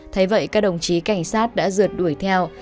thấy vậy các đồng chí cảnh sát đã dượt đuổi theo